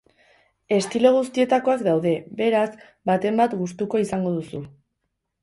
Estilo guztietakoak daude, beraz, baten bat gustuko izango duzu.